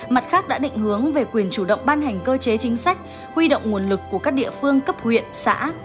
mặt khác đã định hướng về quyền chủ động ban hành cơ chế chính sách huy động nguồn lực của các địa phương cấp huyện xã